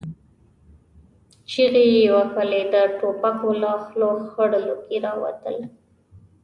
چيغې يې وهلې، د ټوپکو له خولو خړ لوګي را وتل.